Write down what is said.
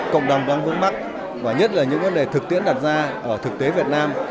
cộng đồng đăng vương bắc và nhất là những vấn đề thực tiễn đặt ra ở thực tế việt nam